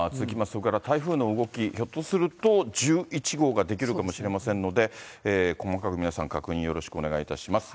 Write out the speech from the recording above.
それから台風の動き、ひょっとすると、１１号が出来るかもしれませんので、細かく皆さん、確認よろしくお願いいたします。